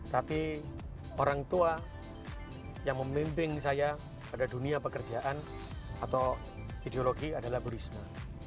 tapi orang tua yang memimpin saya pada dunia pekerjaan atau ideologi adalah bu risma